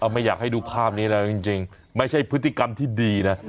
ไม่อยากให้ดูภาพนี้แล้วจริงไม่ใช่พฤติกรรมที่ดีนะ